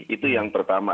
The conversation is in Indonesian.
itu yang pertama